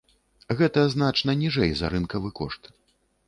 Гэта значна ніжэй за рынкавы кошт.